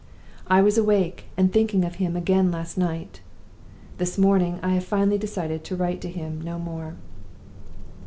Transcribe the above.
I was awake and thinking of him again last night. This morning I have finally decided to write to him no more.